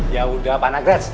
yaudah pak nagraj